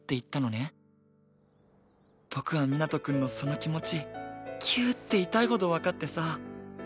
僕はみなとくんのその気持ちキューッて痛いほどわかってさ。